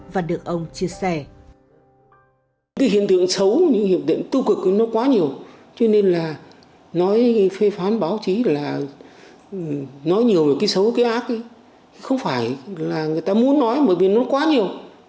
và được ông chia sẻ